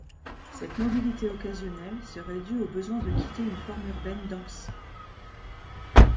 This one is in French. Cette mobilité occasionnelle serait due au besoin de quitter une forme urbaine dense.